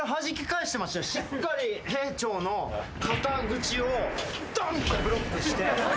しっかり兵長の肩口をどんってブロックして。